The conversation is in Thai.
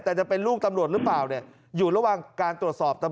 แต่จะเป็นลูกตำรวจหรือเปล่าเนี่ยอยู่ระหว่างการตรวจสอบตำรวจ